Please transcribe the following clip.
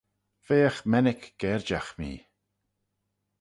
Veagh mennick gerjagh mee.